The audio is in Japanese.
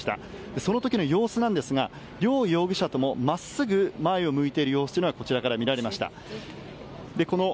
その時の様子ですが両容疑者とも真っすぐ前を向いている様子がこちらから見られました。